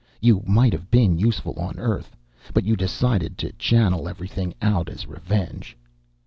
You might have been useful, on Earth. But you decided to channel everything out as revenge."